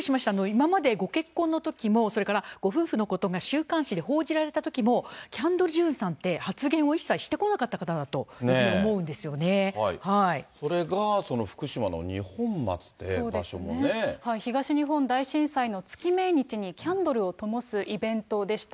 今までご結婚のときも、それからご夫婦のことが週刊誌で報じられたときも、キャンドル・ジュンさんって、発言を一切してこなかったそれが、その福島の二本松と東日本大震災の月命日に、キャンドルをともすイベントでした。